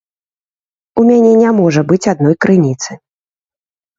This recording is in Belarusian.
У мяне не можа быць адной крыніцы.